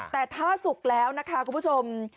แต่ถ้าสุกแล้วนะคะคุณผู้ชม